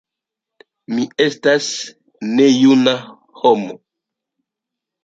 Mi estas nejuna homo.